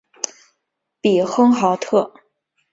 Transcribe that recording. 比亨豪特。